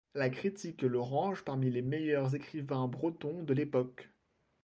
La critique le range parmi les meilleurs écrivains bretons de l’époque.